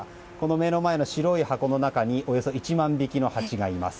目の前の白い箱の中におよそ１万匹のハチがいます。